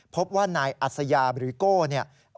พบว่านายอัศยาหรือว่าโก้